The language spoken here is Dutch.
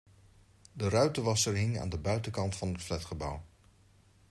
De ruitenwasser hing aan de buitenkant van het flatgebouw.